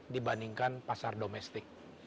dibandingkan pasar domestik